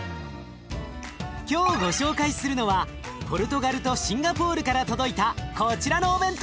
今日ご紹介するのはポルトガルとシンガポールから届いたこちらのお弁当！